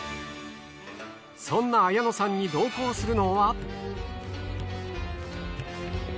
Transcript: そんな綾乃さんに同行するのは。